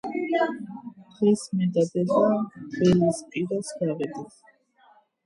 დღეს მე და დედა ველის პირას გავედით